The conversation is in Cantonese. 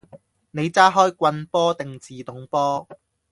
你揸開棍波定自動波？